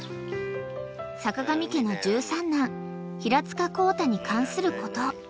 ［坂上家の十三男平塚コウタに関すること］